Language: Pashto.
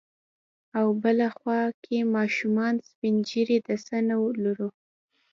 او په بله خوا کې ماشومان، سپين ږيري، د څه نه لرو.